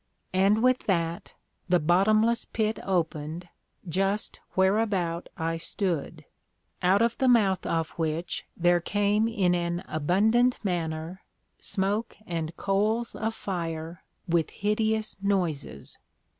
And with that, the bottomless pit opened, just whereabout I stood; out of the mouth of which there came in an abundant manner, smoke and coals of fire, with hideous noises.